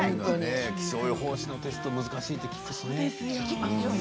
気象予報士のテスト難しいと聞きますよね。